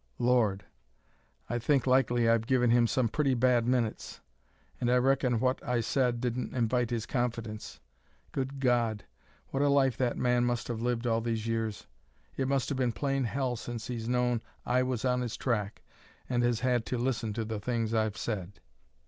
"Lord! I think likely I've given him some pretty bad minutes! And I reckon what I said didn't invite his confidence. Good God, what a life the man must have lived all these years! It must have been plain hell since he's known I was on his track and has had to listen to the things I've said!"